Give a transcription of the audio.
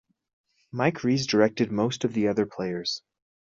Mike Reiss directed most of the other players.